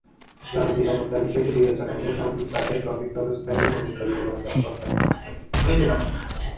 জননিরাপত্তার বিষয়টি বিবেচনায় নিয়ে সামগ্রিকভাবে ক্রসিংব্যবস্থা নিয়ে নতুন পরিকল্পনা গ্রহণ করতে হবে।